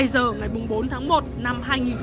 hai giờ ngày bốn tháng một năm hai nghìn hai mươi ba